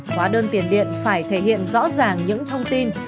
hóa đơn tiền điện phải thể hiện rõ ràng những thông tin